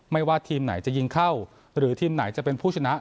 ว่าทีมไหนจะยิงเข้าหรือทีมไหนจะเป็นผู้ชนะ